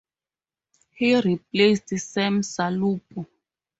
He replaced Sam Salupo.